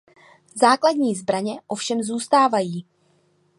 Základní zbraně ovšem zůstávají.